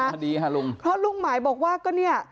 ภายดีค่ะลุงเพราะลูกหมายบอกว่าก็นี่